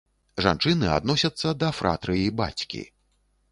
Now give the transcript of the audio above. Жанчыны адносяцца да фратрыі бацькі.